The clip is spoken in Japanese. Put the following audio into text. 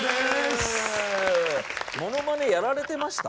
ものまねやられてました？